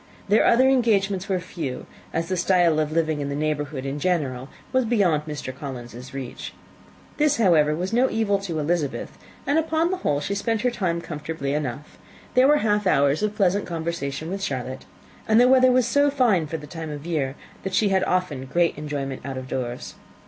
Their other engagements were few, as the style of living of the neighbourhood in general was beyond the Collinses' reach. This, however, was no evil to Elizabeth, and upon the whole she spent her time comfortably enough: there were half hours of pleasant conversation with Charlotte, and the weather was so fine for the time of year, that she had often great enjoyment out of doors.